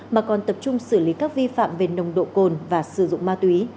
mà còn tập trung xử lý các vi phạm về nồng độ cồn và sử dụng ma túy